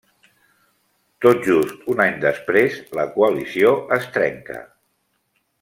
Tot just un any després, la coalició es trenca.